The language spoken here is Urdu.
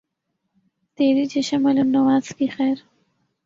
تیری چشم الم نواز کی خیر